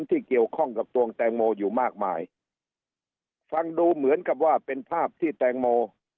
ที่เกี่ยวข้องกับดวงแตงโมอยู่มากมายฟังดูเหมือนกับว่าเป็นภาพที่แตงโม